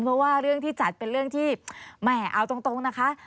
เพราะว่าเรื่องที่จัดเป็นเรื่องที่แหม่เอาตรงนะคะ